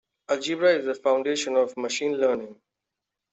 Algebra is a foundation of Machine Learning.